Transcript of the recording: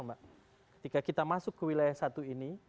ketika kita masuk ke wilayah satu ini